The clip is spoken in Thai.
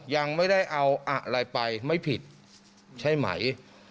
ยังไม่ได้เอาอะไรไปไม่ผิดใช่ไหม